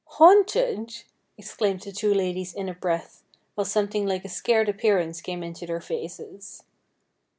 ' Haunted !' exclaimed the two ladies in a breath, while something like a scared appearance came into their faces.